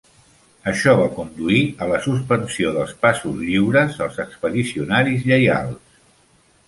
Això va conduir a la suspensió dels passos lliures als expedicionaris lleials.